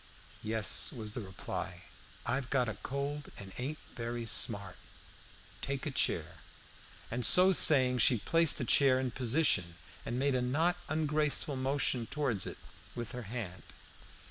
"Yes," was the reply; "I've got a cold, and ain't very smart. Take a chair." And so saying, she placed a chair in position, and made a not ungraceful motion towards it with her hand.